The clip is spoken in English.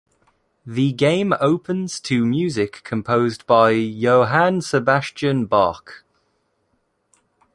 The game opens to music composed by Johann Sebastian Bach.